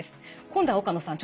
今度は岡野さん